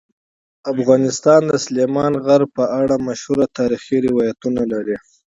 افغانستان د سلیمان غر په اړه مشهور تاریخی روایتونه لري.